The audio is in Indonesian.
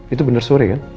itu benar sore kan